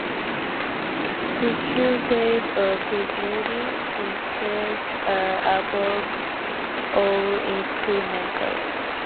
Fisher said of his movie, Inserts are above all instrumental.